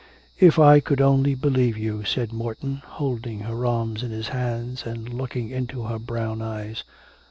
'If I could only believe you,' said Morton, holding her arms in his hands and looking into her brown eyes.